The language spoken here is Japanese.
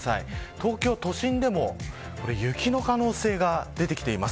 東京都心でも雪の可能性が出てきています。